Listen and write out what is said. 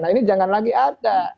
nah ini jangan lagi ada